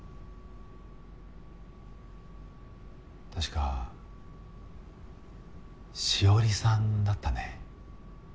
確か紫織さんだったね。